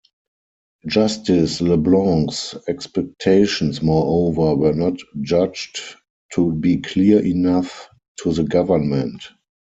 Justice LeBlanc's expectations, moreover, were not judged to be clear enough to the government.